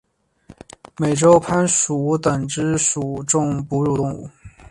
美洲攀鼠属等之数种哺乳动物。